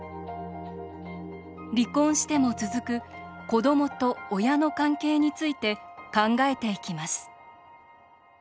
離婚しても続く子どもと親の関係について考えていきます